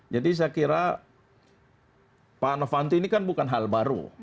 jadi saya kira pak novanto ini kan bukan hal baru